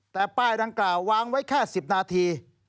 แต่ป้ายดังกล่าววางไว้แค่๑๐นาที